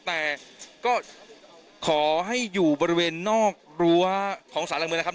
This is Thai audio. แต่ก็ขอให้อยู่บริเวณนอกรั้วของสารหลักเมืองนะครับ